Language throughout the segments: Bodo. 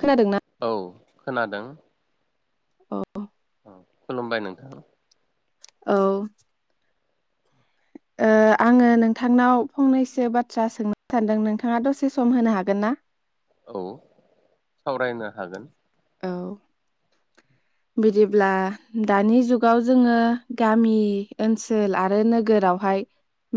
खोनादोंना औ खोनादों। औ खुलुमबाय नोंथां औ ओ आङो नोंथांनाव फंनैसो बाथ्रा सोंनो सानदों नोंथाङा दसे सम होनो हागोन ना? औ सावरायनो हागोन औ बिदिब्ला दानि जुगाव जोङो गामि ओनसोल आरो नोगोरावहाय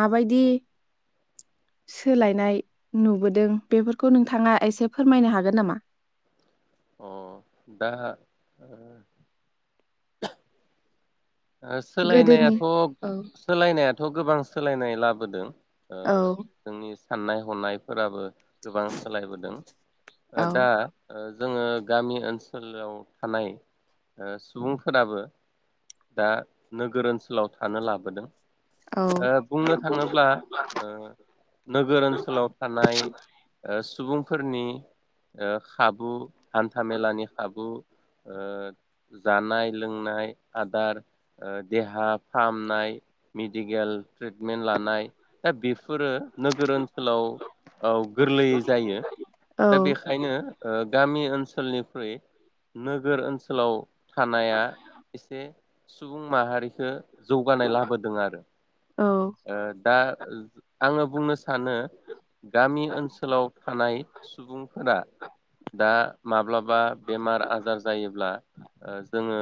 माबायदि सोलायनाय नुबोदों बेफोरखौ नोंथाङा एसे फोरमायनो हागोन नामा? अ दा ओ गोदोनि सोलायनायाथ' औ सोलायनाया थ' गोबां सोलायनाय लाबोदों ओ औ जोंनि साननाय हनायफोराबो गोबां सोलायबोदों औ दा ओ जोङो गामि ओनसोलाव थानाय सुबुंफोराबो दा नोगोर ओनसोलाव थानो लाबोदों औ बुंनो थाङोब्ला ओ नोगोर ओनसोलाव थानाय ओ सुबुंफोरनि ओ खाबु हान्था मेलानि खाबु ओ जानाय लोंनाय आदार देहा फाहामनाय मेडिकेल ट्रिटमेन्ट लानाय दा बेफोरो नोगोर ओनसोलाव गोरलैयै जायो औ दा बेखायनो ओ गामि ओनसोल ओनसोलनिख्रुइ नोगोर ओनसोलाव थानाया एसे सुबुं माहारि खो जौगानाय लाबोदों आरो औ ओ दा आङो बुंनो सानो गामि ओनसोलाव थानाय सुबुं फोरा दा माब्लाबा बेमार आजार जायोब्ला जोङो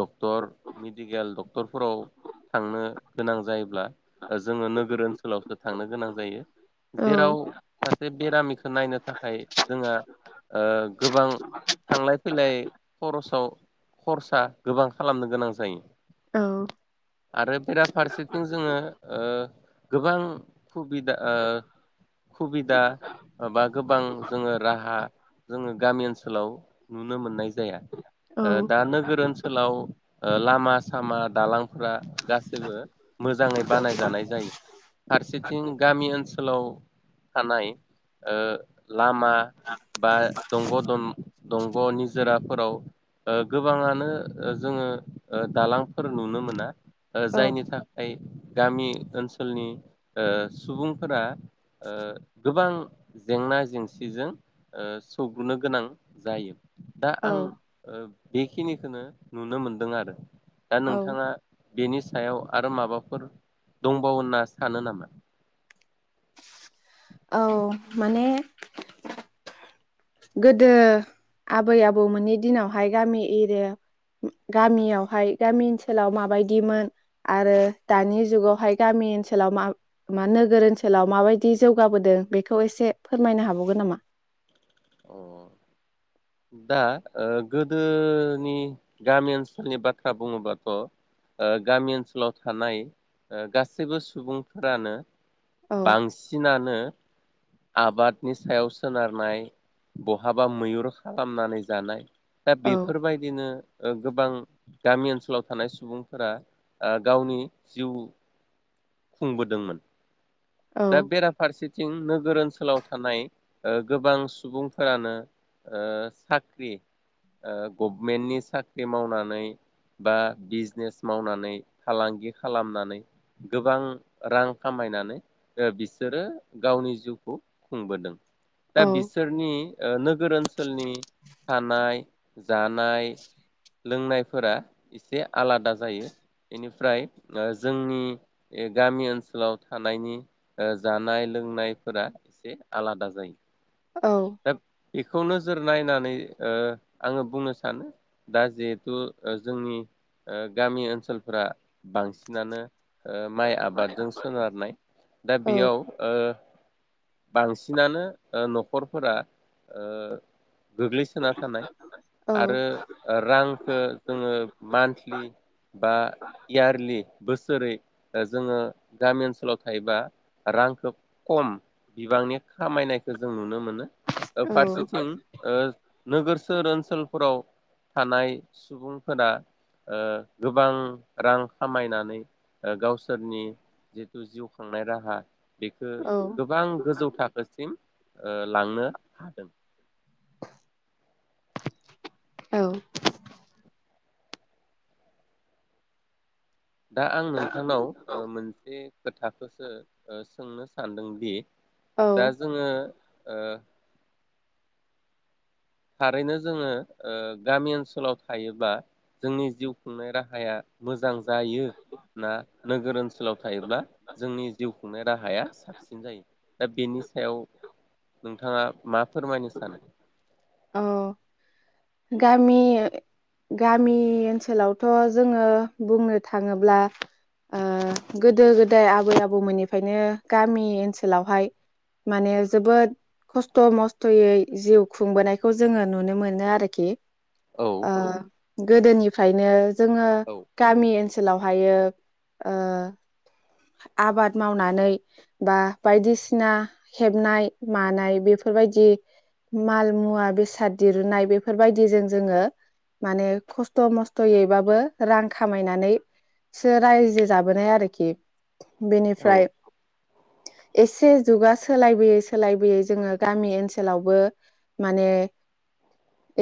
डक्टर मेडिकेल डक्टरफोराव थांनो गोनां जायो ब्ला जोङो नोगोर ओनसोलावसो थांनो गोनां जायो औ जेराव सासे बेरामिखौ नायनो थाखाय जोंहा ओ गोबां थांलाय फैलाय खरसाव खरसा गोबां खालामनो गोनां जायो। आरो बेरा फारसे थिं जोङो ओ गोबां सुबिदा ओ सुबिदा बा गोबां जोङो राहा जोङो गामि ओनसोल हेलौ नुनो मोननाय जाया ओ दा नोगोर ओनसोलाव ओ लामा सामा दालांफोरा गासैबो मोजाङै बानायजानाय जायो फारसेथिं गामि ओनसोलाव थानाय ओ लामा बा दंग' दन दंग' निजोराफोराव ओ गोबाङानो ओ जोङो ओ दालांफोर नुनो मोना ओ औ जायनि था गामि ओनसोलनि ओ सुबुंफोरा ओ गोबां जेंना जेंसिजों ओ सौग्रुनो गोनां जायो दा आं औ ओ बेखिनिखौनो नुनो मोनदों आरो दा औ नोंथाङा बेनि सायाव आरो माबाफोर दंबावो होनना सानो नामा औ माने गोदो आबै आबौमोननि दिनावहाय गामि एरिया गामियावहाय गामि ओनसोलाव माबायदिमोन आरो दानि जुगावहाय गामि ओनसोलाव मा मा नोगोर ओनसोलाव माबायदि जौगाबोदों बेखौ एसे फोरमायनो हाबावगोन नामा? दा ओ गोदोनि गामि ओनसोलनि बाथ्रा बुङोबाथ' ओ गामि ओनसोलाव थानाय ओ गासैबो सुबुंफोरानो औ बांसिनानो आबादनि सायाव सोनारनाय बहाबा मैहुर खालामनानै जानाय दा औ बेफोरबायदिनो गोबां गामि ओनसोलाव थानाय सुबुंफोरा गावनि जिउ खुंबोदोंमोन औ दा बेरा फारसे थिं नोगोर ओनसोलाव थानाय ओ गोबां सुबुंफोरानो ओ साख्रि ओ गभमेन्टनि साख्रि मावनानै बा बिजनेस मावनानै फालांगि खालामनानै गोबां रां खामायनानै ओ बिसोरो गावनि जिउखौ खुंबोदों दा औ बिसोरनि नोगोर ओनसोलनि थानाय जानाय लोंनायफोरा एसे आलादा जायो इनिफ्राय जोंनि गामि ओनसोलाव थानायनि ओ जानाय लोंनायफोरा एसे आलादा जायो औ दा बेखौनो सोर नायनानै ओ आङो बुंनो सानो दा जिहेथु जोंनि ओ गामि ओनसोलफोरा बांसिनानो ओ माइ आबादजों सोनारनाय दा औ बेयाव ओ बांसिनानो ओ नख न'खरफोरा ओ गोग्लैसोना थानाय औ आरो रांखो जोङो मानथलि बा इयारलि बोसोरै जोङो गामि ओनसोलाव थायोबा रांखौ खम बिबांनि खामायनायखौ जों नुनो मोनो मोनो ओ फारसेथिं ओ नोगोरसोर ओनसोलफोराव थानाय सुबुंफोरा ओ गोबां रां खामायनानै ओ गावसोरनि जिथु जिउ खांनाय राहा बेखो गोबां गोजौ थाखोसिम ओ लांनो हादों। औ दा आं नोंथांनाव ओ मोन बे खोथाखौसो ओ सोंनो सानदोंदि दा औ जोङो ओ थारैनो जोङो ओ गामि ओनसोलाव थायोब्ला जोंनि जिउ खुंनाय राहाया मोजां जायो ना नोगोर ओनसोलाव थायोब्ला जोंनि जिउ खुंनाय राहाया साबसिन जायो दा बेनि सायाव नोंथाङा मा फोरमायनो सानो? औ गामि गामि ओनसोलावथ' जोङो बुंनो थाङोब्ला ओ गोदो गोदाय आबै आबौमोननिफायनो गामि ओनसोलावहाय माने जोबोद खस्थ' मस्थ'यै जिउ खुंबोनायखौ जोङो नुनो मोनो आरो खि औ ओ गोदोनिफ्रायनो जोङो औ गामि ओनसोलावहायो ओ आबाद मावनानै बा बायदिसिना हेबनाय मानाय बेफोरबायदि माल मुवा बेसाद दिरुनाय बे बेफोरबायदिजों जोङो माने खस्थ' मस्थ'यैबाबो रां खामायनानैसो रायजो जाबोनाय आरोखि। औ बेनिफ्राय एसे जुगा सोलायबोयै सोलायबोयै जोङो गामि ओनसोलावबो माने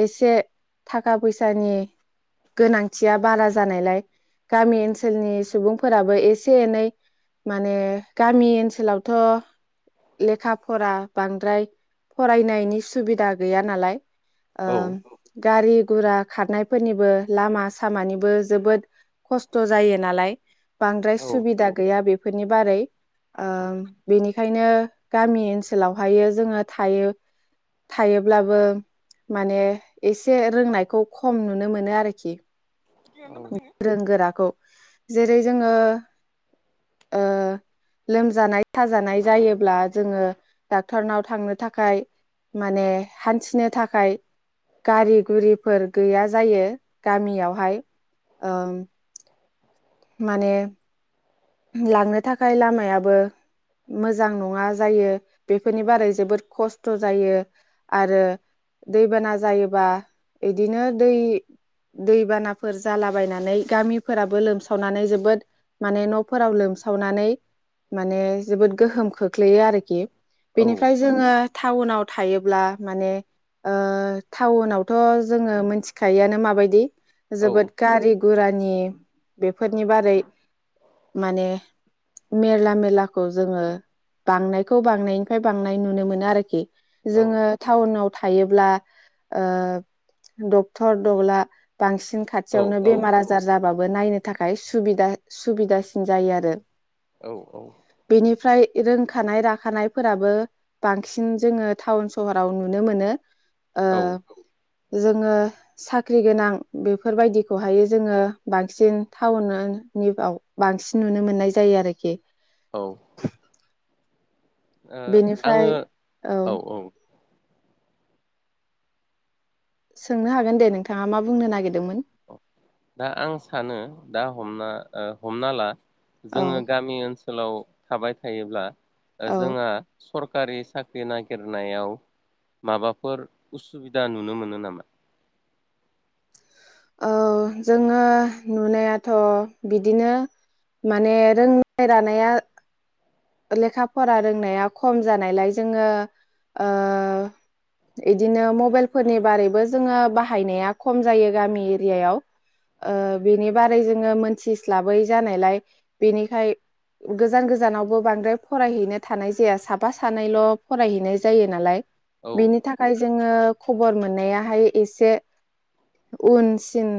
एसे थाखा फैसानि गोनांथिया बारा जानायलाय गामि ओनसोलनि सुबुंफोराबो एसे एनै माने गामि ओनसोलावथ' लेखा फरा बांद्राय फरायनायनि सुबिदा गैया नालाय औ ओम गारि गुरा खारनायफोरनिबो लामा सामानिबो जोबोद खस्थ' जायो नालाय बांद्राय औ सुबिदा गैया बेफोरनि बारै ओ बिनिखायनो गामि ओनसोलावहाय जोङो थायो थायोब्लाबो माने एसे रोंनायखौ खम नुनो मोनो आरोखि गोरों गोराखौ जेरै जोङो ओ लोमजानाय साजानाय जायोब्ला जोङो डाक्टरनाव थांनो थाखाय माने हान्थिनो थाखाय गारि गुरिफोर गैया जायो गामियावहाय ओम माने लांनो थाखाय लामायाबो मोजां नङा जायो बेफोरनि बारै जोबोर खस्थ' जायो आरो दैबाना जायोबा इदिनो दै दैबानाफोर जालाबायनानै गामिफोराबो लोमसावनानै जोबोद माने न' फोराव लोमसावनानै माने जोबोद गोहोम खोख्लैयो आरोखि। औ बेनिफ्राय जोङो टाउनाव थायोब्ला माने ओ टाउनावथ' जोङो मोनथिखायोआनो माबायदि औ जोबोद गारि गुरानि बेफोदनि बारै माने मेरला मेलाखौ जोङो बांनायखौ बांनायनिफ्राय बांनाय नुनो मोनो आरोखि। औ जोङो टाउनाव थायोब्ला ओ डक्टर दब्ला बांसिन औ खाथियावनो बेमार आजार जाबाब बो नायनो थाखाय सुबिदा सुबिदास जायो आरो। औ बेनिफ्राय रोंखानाय राखानायफोराबो बांसिन जोङो टाउन सहराव नुनो मोनो। ओ औ जोङो साख्रि गोनां बेफोरबायदिखौहाय जोङो बांसिन टाउन निआव बांसिन नुनो मोननाय जायो आरोखि। ओ बेनिफ्राय आङो औ औ सोंनो हागोन दे नोंथाङा मा बुंनो नागिरदोंमोन दा आं सानो दा हमना हमना ला औ जोङो गामि ओनसोलाव थाबाय थायोब्ला ओ औ जोंहा सरखारि साख्रि नागिरनायाव माबाफोर उसुबिदा नुनो मोनो नामा? औ जोङो नुनायाथ' बिदिनो माने रोंनाय रानाया लेखा फरा रोंनाया खम जानायलाय जोङो ओ इदिनो मबाइलफोरनि बारैबो जोङो बाहायनाया खम जायो गामि एरियायाव ओ बेनि बारै जोङो मोनथिस्लाबै जानायलाय बेनिखाय गोजान गोजानावबो बांद्राय फरायहैनो थानाय जाया साफा सानैल' फरायहैनाय जायो नालाय औ बिनि थाखाय जोङो खबर मोननायाहाय एसे उनसिन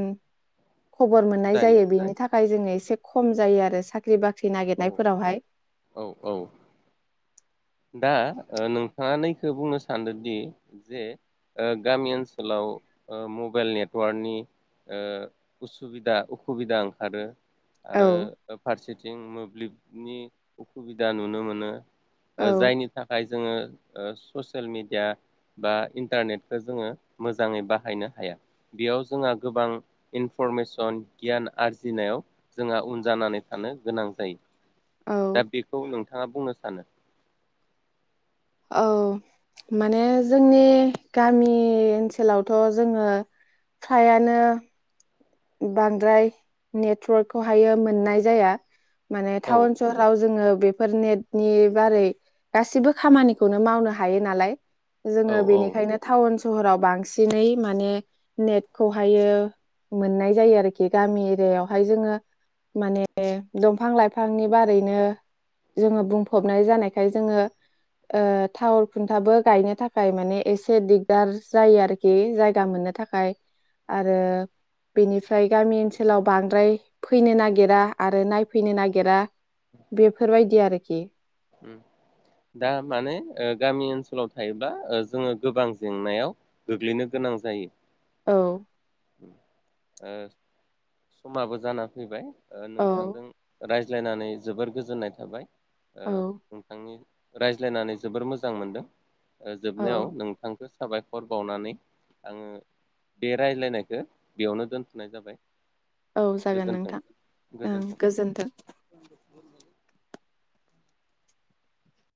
खबर मोननाय जायो बेनि थाख खाया जोङो एसे खम जायो आरो साख्रि बाख्रि औ नागिरनायफोरावहाय। औ औ दा नोंथाङा नैखो बुंनो सानदोंदि जे ओ गामि ओनसोलाव ओ मबाइल नेटवार्कनि ओ उसुबिदा उखुबिदा ओंखारो। औ आरो फारसे जों मोब्लिबनि अखुबिदा नुनो मोनो। ओ औ जायनि थाखाय जोङो ओ ससियेल मिडिया बा इन्टारनेटखौ जोङो मोजाङै बाहायनो हाया बेयाव जोंहा गोबां इनफरमेसन गियान आरजिनायाव जोंहा उन जानानै थानो गोनां जायो। औ दा बेखौ नोंथाङा बुंनो सानो। औ माने जों नि गामि ओनसोलावथ' जोङो फ्रायानो बांद्राय नेटवार्कखौहायो मोननाय जाया। माने औ टाउन सहराव जोङो बेफोर नेटनि बारै गासिबो खामानिखौनो मावनो हायो नालाय। औ जोङो औ बेनिखायनो टाउन स सहराव बांसिनै माने नेटखौहायो मोननाय जायो आरोखि गामि एरियायावहाय जोङो माने दंफां लाइफांनि बारैनो जोङो बुंफबनाय जानायखाय ओ जोङो थावर खुन्थाबो गायनो थाखाय माने एसे दिगदार जायो आरोखि जायगा मोननो थाखाय आरो बेनिफ्राय गामि ओनसोलाव बांद्राय फैनो नागिरा आरो नायफैनो नागिरा। बेफोरबायदि आरोखि ओम दा माने ओ गामि ओनसोलाव थायोब्ला जोङो गोबां जेंनायाव गोग्लैनो गोनां जायो। औ ओ समाबो जाना फैबाय ‌। ओ औ नोंथांदों रायज रायज्लायनानै जोबोर गोजोननाय थाबाय। ओ औ नोंथांनि रायज्लायनानै जोबोर मोजां मोनदों। औ जोबनायाव नोंथांखौ साबाय हर बावनानै आङो बे रायज्लायनायखौ बेयावनो दोनथ'नाय जाबाय। औ जागोन गोजोन्थों नोंथां ओं गोजोन्थों।